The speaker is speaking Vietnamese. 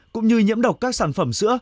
cũng như nhiễm độc các sản phẩm sữa